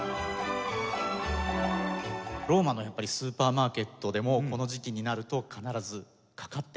ローマのやっぱりスーパーマーケットでもこの時期になると必ずかかってました。